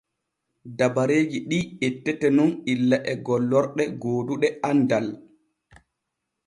Dabareeji ɗi ettete nun illa e gollorɗe gooduɗe andal.